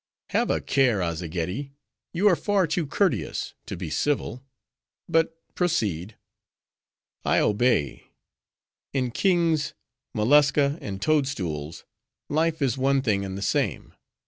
"Have a care, Azzageddi; you are far too courteous, to be civil. But proceed." "I obey. In kings, mollusca, and toad stools, life is one thing and the same.